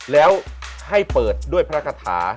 แล้วให้เปิดด้วยพระคาถา